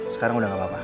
sekarang udah gak apa apa